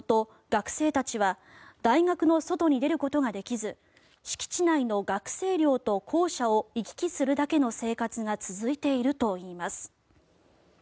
学生たちは大学の外に出ることができず敷地内の学生寮と校舎を行き来するだけの生活が続いているといいます。